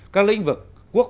các lĩnh vực